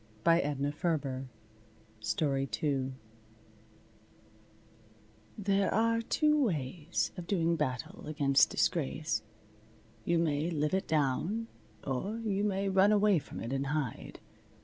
II THE MAN WHO CAME BACK There are two ways of doing battle against Disgrace. You may live it down; or you may run away from it and hide.